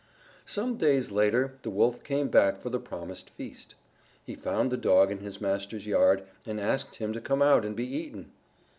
Some days later the Wolf came back for the promised feast. He found the Dog in his master's yard, and asked him to come out and be eaten.